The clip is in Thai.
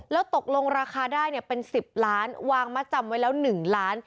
แล้วตกลงราคาได้เป็น๑๐ล้านวางมัดจำไว้แล้ว๑ล้าน